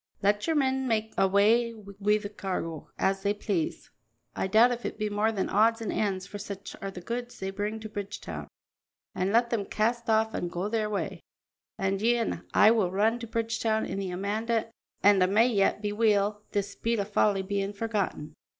"Let your men make awa' wi' the cargo as they please I doubt if it be more than odds an' ends, for such are the goods they bring to Bridgetown an' let them cast off an' go their way, an' ye an' I will return to Bridgetown in the Amanda an' a' may yet be weel, this bit o' folly bein' forgotten."